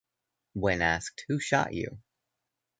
When asked Who shot you?